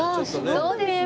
そうですね。